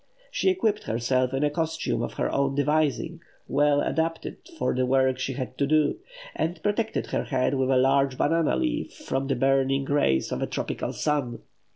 She equipped herself in a costume of her own devising, well adapted for the work she had to do; and protected her head with a large banana leaf from the burning rays of a tropical sun.